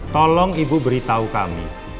tolong ibu beritahu kami